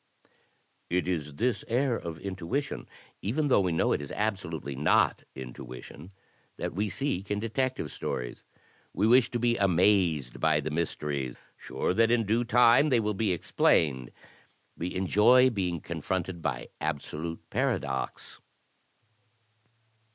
It is this air of intuition, even though we know it is abso lutely not intuition, that we seek in Detective Stories. We wish to be amazed by the mysteries, sure that in due time they will be explained. We enjoy being confronted by absolute paradox.